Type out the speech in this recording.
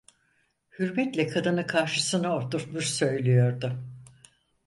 Hürmetle kadını karşısına oturtmuş söylüyordu.